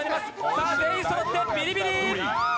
さあ、全員そろってビリビリ！